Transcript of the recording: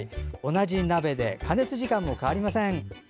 同じ鍋で加熱時間も変わりません。